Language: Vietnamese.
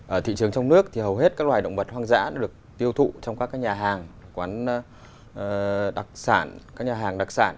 ở thị trường trong nước thì hầu hết các loài động vật hoang dã được tiêu thụ trong các nhà hàng đặc sản